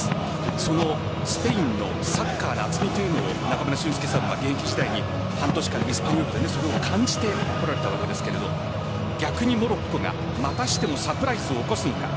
そのスペインのサッカーの厚みというのを中村俊輔さんは現役時代にスペインでそこを感じてこられたわけですが逆にモロッコがまたしてもサプライズを起こすのか。